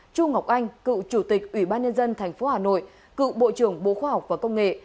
chu ngọc anh cựu chủ tịch ủy ban nhân dân tp hà nội cựu bộ trưởng bộ khoa học và công nghệ